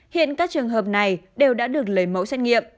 hiện các trường hợp này đều đã được lấy mẫu xét nghiệm